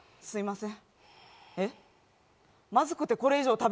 すいません。